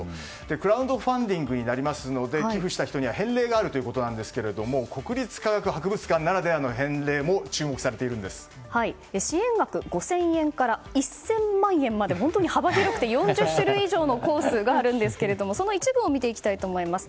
クラウドファンディングになりますので、寄付した人には返礼があるということなんですが国立科学博物館ならではの返礼も支援額５０００円から１０００万円までと本当に幅広くて４０種類以上のコースがあるんですけどもその一部を見ていきます。